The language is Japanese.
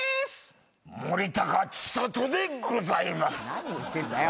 何言ってんだよ。